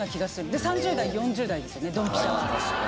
で３０代４０代ですよねドンピシャは。